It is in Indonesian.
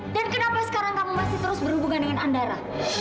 dan kenapa sekarang kamu masih terus berhubungan dengan andara